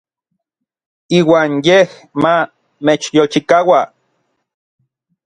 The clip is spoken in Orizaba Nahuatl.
Iuan yej ma mechyolchikaua.